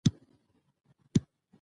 او نظامیان به خپل کار ترسره کوي.